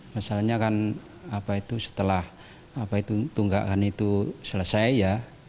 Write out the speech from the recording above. pasalnya kan setelah tunggakan itu selesai ya